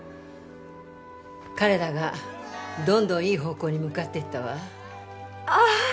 彼らがどんどんいい方向に向かっていったわああ